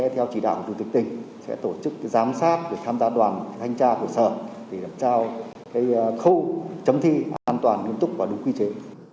theo chỉ đạo của chủ tịch tỉnh sẽ tổ chức giám sát để tham gia đoàn thanh tra của sở để trao khâu chấm thi an toàn nghiêm túc và đúng quy chế